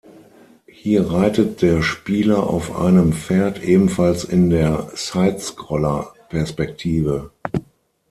Hier reitet der Spieler auf einem Pferd ebenfalls in der Sidescroller-Perspektive.